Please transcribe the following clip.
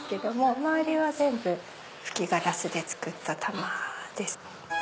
周りは全部吹きガラスで作った玉ですね。